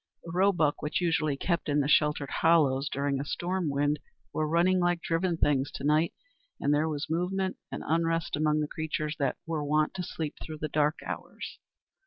The roebuck, which usually kept in the sheltered hollows during a storm wind, were running like driven things to night, and there was movement and unrest among the creatures that were wont to sleep through the dark hours.